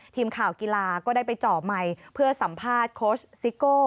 ทีมข่าวกีฬาก็ได้ไปเจาะไมค์เพื่อสัมภาษณ์โค้ชซิโก้